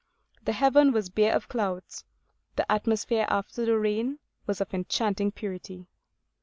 The heaven was bare of clouds. The atmosphere, after the rain, was of enchanting purity.